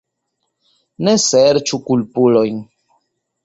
Ne serĉu kulpulojn.